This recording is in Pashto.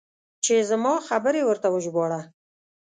چې زما خبرې ورته وژباړه.